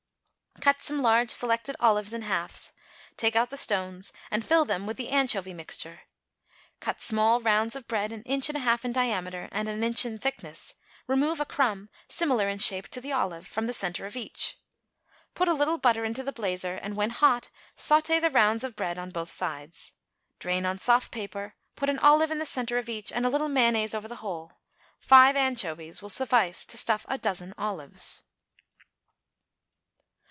Cut some large selected olives in halves, take out the stones, and fill them with the anchovy mixture. Cut small rounds of bread an inch and a half in diameter and an inch in thickness; remove a crumb, similar in shape to the olive, from the centre of each. Put a little butter into the blazer, and, when hot, sauté the rounds of bread on both sides; drain on soft paper, put an olive in the centre of each and a little mayonnaise over the whole. Five anchovies will suffice to stuff a dozen olives.